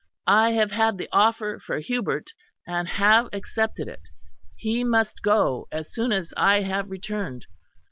I have had the offer for Hubert, and have accepted it; he must go as soon as I have returned.